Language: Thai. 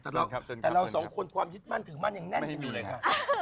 แต่เราสองคนความยึดมั่นถือมั่นยังแน่นกันอยู่เลยค่ะ